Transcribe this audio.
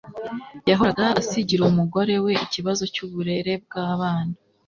Yahoraga asigira umugore we ikibazo cyuburere bwabana.